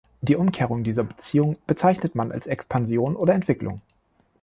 Die Umkehrung dieser Beziehung bezeichnet man als Expansion oder Entwicklung.